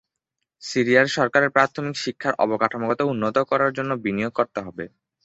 সিরিয়ার সরকারের প্রাথমিক শিক্ষার অবকাঠামোগত উন্নত করার জন্য বিনিয়োগ করতে হবে।